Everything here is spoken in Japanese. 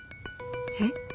えっ？